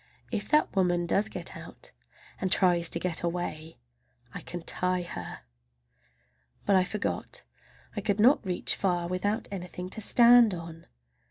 If that woman does get out, and tries to get away, I can tie her! But I forgot I could not reach far without anything to stand on!